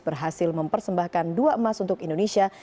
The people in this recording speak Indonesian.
berhasil mempersembahkan dua emas untuk indonesia